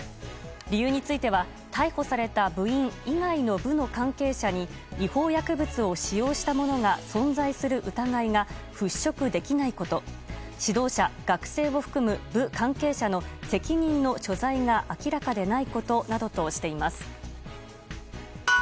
理由については逮捕された部員以外の部の関係者に違法薬物を使用した者が存在する疑いが払しょくできないこと指導者・学生を含む部関係者の責任の所在が明らかでないことなどとしています。